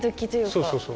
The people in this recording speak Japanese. そうそうそう。